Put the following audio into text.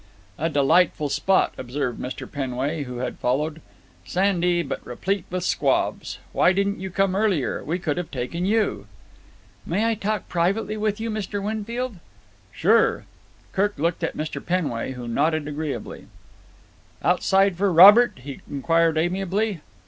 "A delightful spot," observed Mr. Penway, who had followed. "Sandy, but replete with squabs. Why didn't you come earlier? We could have taken you." "May I talk privately with you, Mr. Winfield?" "Sure." Kirk looked at Mr. Penway, who nodded agreeably. "Outside for Robert?" he inquired amiably.